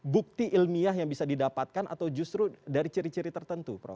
bukti ilmiah yang bisa didapatkan atau justru dari ciri ciri tertentu prof